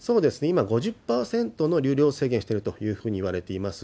今、５０％の流量制限をしているというふうにいわれています。